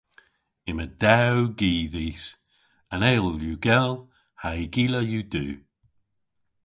Yma dew gi dhis. An eyl yw gell ha'y gila yw du.